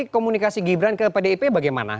komunikasi gibran ke pdip bagaimana